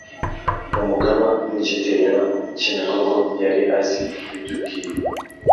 Umugaba w’Igitero cy’imigogo; yari azi iby’ubwiru